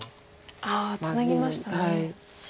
ああツナぎましたね。